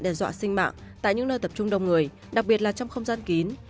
đe dọa sinh mạng tại những nơi tập trung đông người đặc biệt là trong không gian kín